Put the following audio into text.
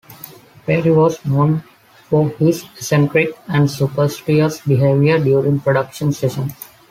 Perry was known for his eccentric and superstitious behavior during production sessions.